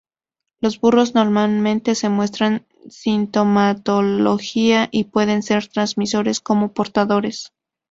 Los burros normalmente no muestran sintomatología y pueden ser transmisores como portadores.